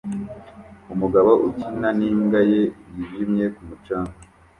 Umugabo ukina n'imbwa ye yijimye ku mucanga